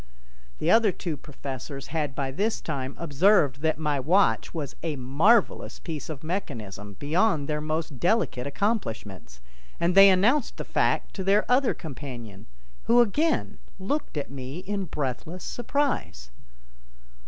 The other two professors had by this time observed that my watch was a marvelous piece of mechanism beyond their most delicate accomplishments, and they announced the fact to their other companion who again looked at me in breathless surprise.